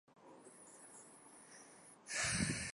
中间的拱肩上有曼努埃尔一世的徽章。